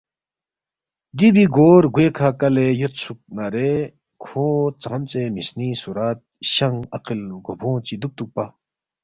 دیُو بی گو رگوے کھہ کلے یودسُوکنارے کھو ژامژے مِسنِنگ صورت شنگ عقل رگو بونگ چی دُوکتُوکپا؟